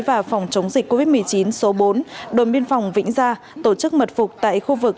và phòng chống dịch covid một mươi chín số bốn đồn biên phòng vĩnh gia tổ chức mật phục tại khu vực